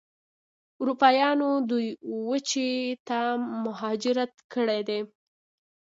اروپایانو دې وچې ته مهاجرت کړی دی.